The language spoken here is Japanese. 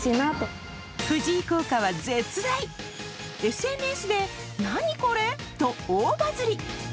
ＳＮＳで何これ？と大バズり。